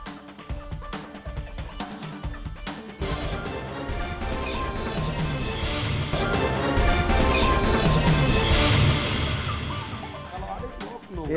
kalau ada yang dupluk